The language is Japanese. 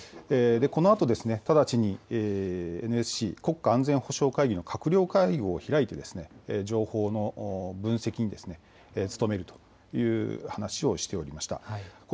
このあと直ちにＮＳＣ・国家安全保障会議の閣僚会合を開いて情報の分析に努めるという話をしておりました。